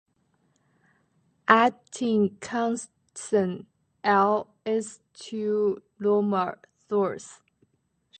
Atkinson, L. Stuehmer, Thos.